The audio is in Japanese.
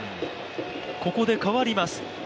ここで代わります。